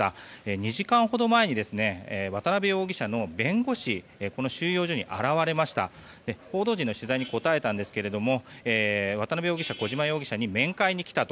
２時間ほど前に渡邉容疑者の弁護士が収容所に現れまして報道陣の取材に答えたんですが渡邉容疑者や小島容疑者に面会に来たと。